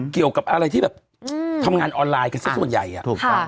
เกี่ยวกับอะไรที่แบบทำงานออนไลน์กันสักส่วนใหญ่อ่ะถูกต้อง